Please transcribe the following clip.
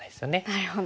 なるほど。